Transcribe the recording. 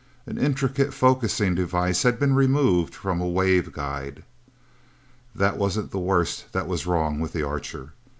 An intricate focusing device had been removed from a wave guide. That wasn't the worst that was wrong with the Archer.